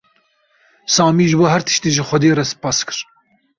Samî ji bo her tiştî ji Xwedê re spas kir.